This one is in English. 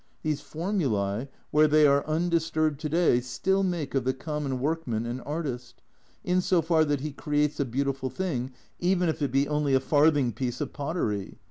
These formulae, where they are undisturbed to day, still make of the common workman an artist, in so far that he creates a beautiful thing, even if it be only a farthing piece of pottery.